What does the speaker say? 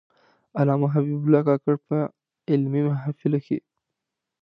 علامه حبیب الله کاکړ په علمي محافلو کې.